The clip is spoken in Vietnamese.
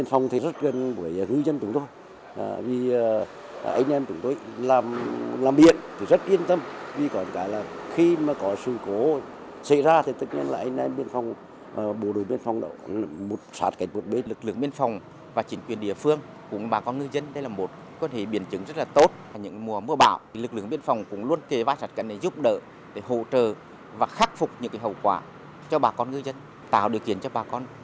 hỗ trợ và khắc phục những hậu quả cho bà con ngư dân tạo điều kiện cho bà con phát triển ở trên biển